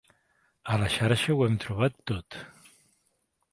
A la xarxa ho hem trobat tot.